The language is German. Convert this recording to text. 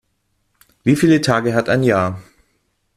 Wie viele Tage hat ein Jahr?